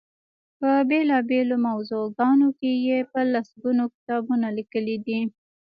په بېلا بېلو موضوعګانو کې یې په لس ګونو کتابونه لیکلي دي.